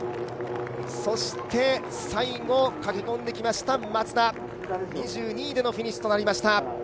そして最後、駆け込んできましたマツダ、２２位でのフィニッシュとなりました。